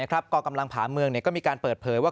กองกำลังผาเมืองก็มีการเปิดเผยว่า